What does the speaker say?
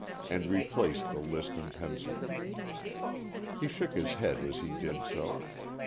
and replaced the list and pencil. He shook his head as he did so.